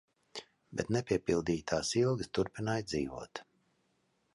Bet nepiepildītās ilgas turpināja dzīvot.